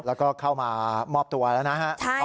แล้วก็เข้ามามอบตัวแล้วนะครับ